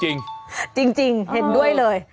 จริงเห็นด้วยเลย